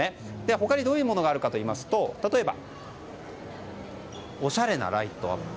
他にどういうものがあるかといいますと例えば、おしゃれなライトアップ。